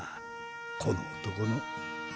この男の。